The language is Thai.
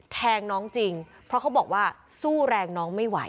แทงน้องจริงเพราะเขาบอกว่าสู้แรงน้องไม่ไหว